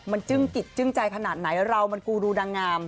มันจึ้งจิตจึ้งใจขนาดไหนเรามันกูรูนางงาม